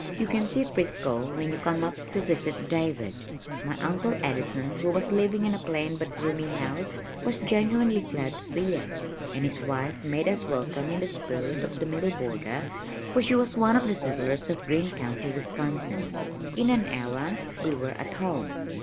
You can see Frisco when you come up to visit David." My uncle Addison who was living in a plain but roomy house, was genuinely glad to see us, and his wife made us welcome in the spirit of the Middle Border for she was one of the early settlers of Green County, Wisconsin. In an hour we were at home.